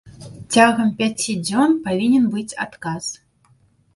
Цягам пяці дзён павінен быць адказ.